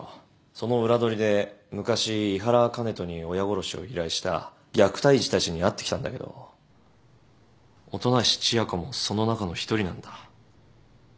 その裏取りで昔井原香音人に親殺しを依頼した虐待児たちに会ってきたんだけど音無千夜子もその中の一人なんだ。